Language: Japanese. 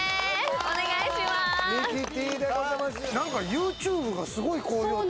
ＹｏｕＴｕｂｅｒがすごい好評で。